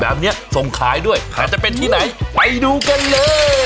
แบบนี้ส่งขายด้วยอาจจะเป็นที่ไหนไปดูกันเลย